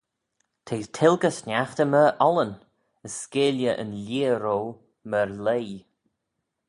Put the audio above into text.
T'eh tilgey sniaghtey myr ollan: as skeayley yn lheeah-rio myr leoie.